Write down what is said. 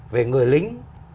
về người lính